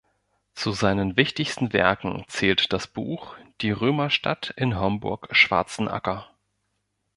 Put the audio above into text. Zu seinen wichtigsten Werken zählt das Buch "Die Römerstadt in Homburg-Schwarzenacker".